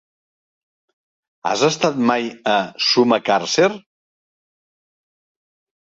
Has estat mai a Sumacàrcer?